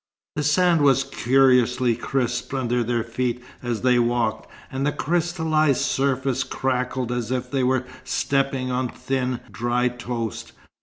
The sand was curiously crisp under their feet as they walked, and the crystallized surface crackled as if they were stepping on thin, dry toast.